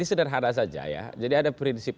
sederhana saja ya jadi ada prinsip